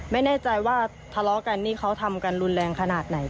ไม่แน่ใจว่าทะเลาะกันนี่เขาทำกันรุนแรงขนาดไหน